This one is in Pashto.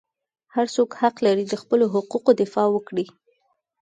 هر څوک حق لري د خپلو حقوقو دفاع وکړي.